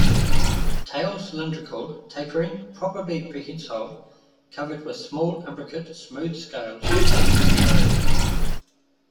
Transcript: Tail cylindrical, tapering, probably prehensile, covered with small imbricate smooth scales, largest below.